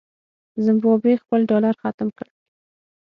زمبابوې خپل ډالر ختم کړ.